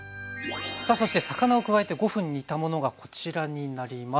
さあそして魚を加えて５分煮たものがこちらになります。